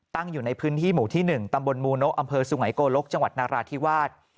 อยู่ในพื้นที่หมู่ที่๑ตำบลมูโนะอำเภอสุงัยโกลกจังหวัดนาราธิวาส